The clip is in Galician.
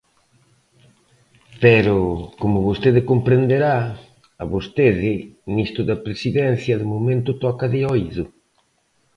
Pero, como vostede comprenderá, a vostede nisto da Presidencia de momento toca de oído.